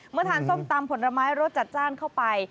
ทานส้มตำผลไม้รสจัดจ้านเข้าไป